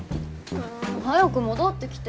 えぇ早く戻ってきて。